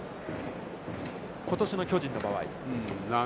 ことしの巨人の場合。